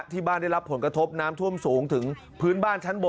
ที่บ้านได้รับผลกระทบน้ำท่วมสูงถึงพื้นบ้านชั้นบน